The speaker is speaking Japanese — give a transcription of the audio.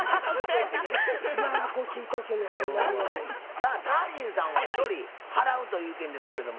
さあタージンさんは１人払うという意見ですけれども。